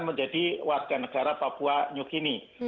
menjadi warganegara papua new guinea